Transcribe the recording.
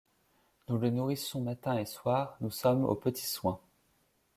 Nous le nourrissons matin et soir, nous sommes aux petits soins…